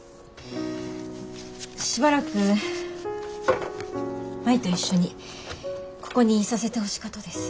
しばらく舞と一緒にここにいさせてほしかとです。